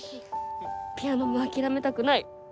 ピアノも諦めたくない。